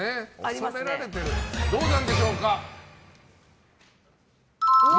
恐れられてるどうなんでしょうか。